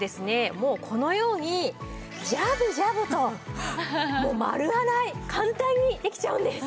もうこのようにジャブジャブともう丸洗い簡単にできちゃうんです。